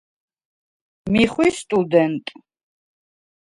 მი ხვი სტუდენტ.